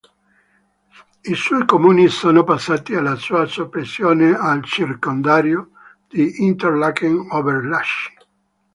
I suoi comuni sono passati alla sua soppressione al Circondario di Interlaken-Oberhasli.